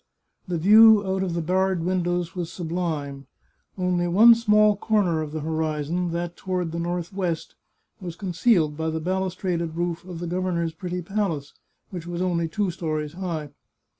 The view out of the barred windows was sublime. Only one small comer of the horizon, that toward the northwest, was concealed by the balustraded roof of the governor's pretty palace, which was only two stories high.